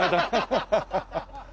ハハハハハ！